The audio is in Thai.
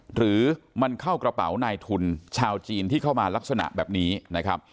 หรือมันเข้ากระเป๋านายทุนชาวจีนที่เข้ามาลักษณะแบบนี้นะครับ